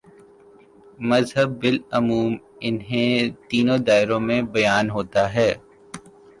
مذہب بالعموم انہی تینوں دائروں میں بیان ہوتا ہے۔